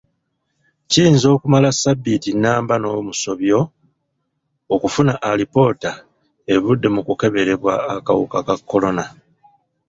Kiyinza okumala ssabbiiti nnamba n'omusobyo okufuna alipoota evudde mu kukeberebwa akawuka ka kolona.